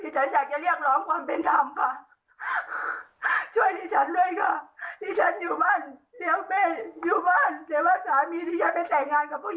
ช่วยดิฉันด้วยนะคะสามีดิฉันโทรมาข่มครู